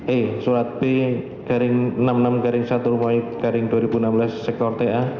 e surat b garing enam puluh enam satu garing dua ribu enam belas sektor ta